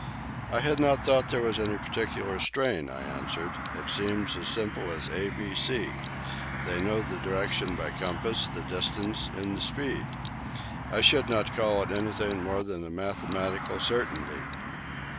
"I had not thought there was any particular strain," I answered. "It seems as simple as A, B, C. They know the direction by compass, the distance, and the speed. I should not call it anything more than mathematical certainty."